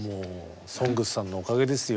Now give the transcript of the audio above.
「ＳＯＮＧＳ」さんのおかげですよ